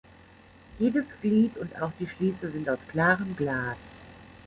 Jedes Glied und auch die Schließe sind aus klarem Glas.